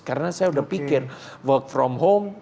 karena saya udah pikir work from home